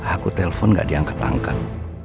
aku telpon gak diangkat angkat